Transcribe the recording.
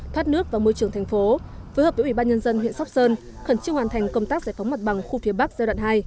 thoát nước và môi trường thành phố phối hợp với ủy ban nhân dân huyện sóc sơn khẩn trương hoàn thành công tác giải phóng mặt bằng khu phía bắc giai đoạn hai